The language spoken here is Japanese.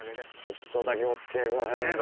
ちょっとだけおつきあいくださいませ。